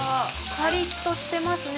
カリッとしてますね。